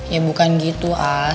ya bukan gitu as